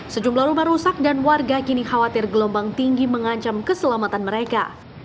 sejumlah rumah rusak dan warga kini khawatir gelombang tinggi mengancam keselamatan mereka